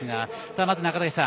まず、中竹さん。